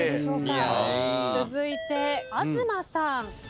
続いて東さん。